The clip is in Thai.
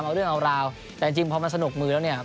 เอาเรื่องเอาราวแต่จริงพอมันสนุกมือแล้วเนี่ย